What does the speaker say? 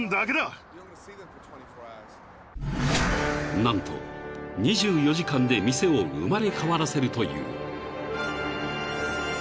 ［何と２４時間で店を生まれ変わらせるという］